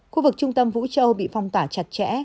khu vực trung tâm vũ châu bị phong tỏa chặt chẽ